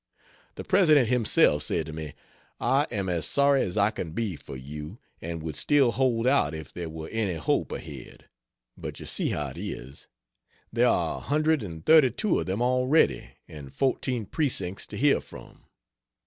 The president himself said to me, "I am as sorry as I can be for you, and would still hold out if there were any hope ahead; but you see how it is: there are a hundred and thirty two of them already, and fourteen precincts to hear from.